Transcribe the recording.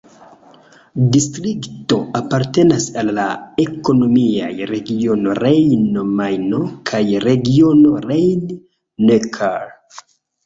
La distrikto apartenas al la ekonomiaj regiono Rejno-Majno kaj regiono Rhein-Neckar.